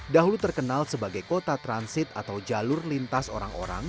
dahulu terkenal sebagai kota transit atau jalur lintas orang orang